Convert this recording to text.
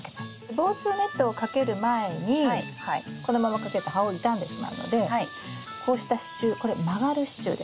防虫ネットをかける前にこのままかけると葉を傷んでしまうのでこうした支柱これ曲がる支柱です。